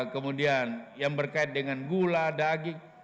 kemudian yang berkait dengan gula daging